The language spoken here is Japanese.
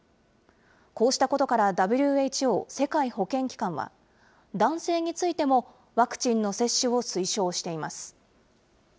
こうしたことからＷＨＯ・世界保健機関は、男性についてもワクチンの接種を推奨しています。